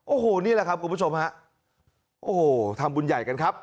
โอ้โหนี่แหละครับคุณผู้ชมฮะโอ้โหทำบุญใหญ่กันครับ